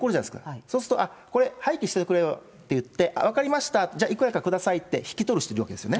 そうすると、これ廃棄してくれよと言って、分かりました、じゃあ、いくらかくださいって引き取る人がいるわけですね。